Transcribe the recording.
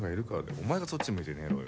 お前がそっち向いて寝ろよ。